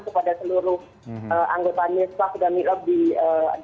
kepada seluruh anggota nispa dan milob di daerah misi